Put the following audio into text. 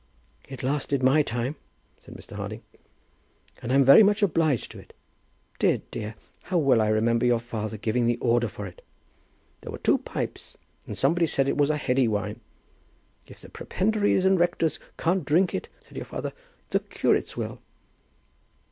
"It has lasted my time," said Mr. Harding, "and I'm very much obliged to it. Dear, dear; how well I remember your father giving the order for it! There were two pipes, and somebody said it was a heady wine. 'If the prebendaries and rectors can't drink it,' said your father, 'the curates will.'"